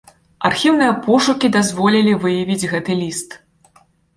Архіўныя пошукі дазволілі выявіць гэты ліст.